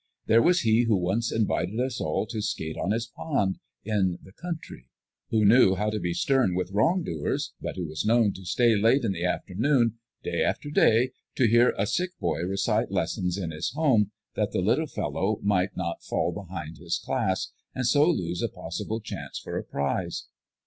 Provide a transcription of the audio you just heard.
There was he who once invited us all out to skate on his pond, in the country; who knew how to be stern with wrong doers, but who was known to stay late in the afternoon, day after day, to hear a sick boy recite lessons in his home, that the little fellow might not fall behind his class, and so lose a possible chance for a prize.